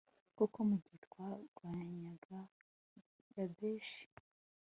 kuko mu gihe twarwanyaga yabeshi